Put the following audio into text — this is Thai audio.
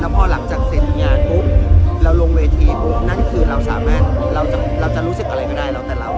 พอหลังจากเส้นงานเราลงเวทีนั้นคือเราจะรู้สึกอะไรก็ได้